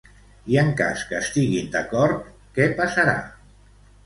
I en cas que estiguin d'acord, què passarà?